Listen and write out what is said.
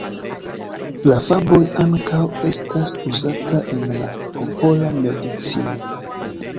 La faboj ankaŭ estas uzata en la popola medicino.